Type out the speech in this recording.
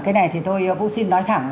cái này thì tôi cũng xin nói thẳng